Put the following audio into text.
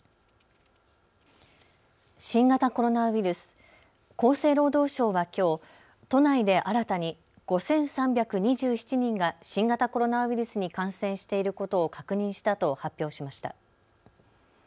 新型コロナウイルス、厚生労働省はきょう都内で新たに５３２７人が新型コロナウイルスに感染していることを確認したと発表しました。